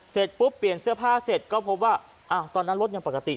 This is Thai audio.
เสร็จปุ๊บเปลี่ยนเสื้อผ้าเสร็จก็พบว่าอ้าวตอนนั้นรถยังปกติ